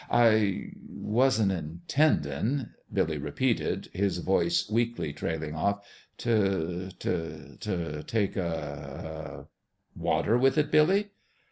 " I wasn't intendin'," Billy repeated, his voice weakly trailing off, " t' t' t' take a a "" Water with it, Billy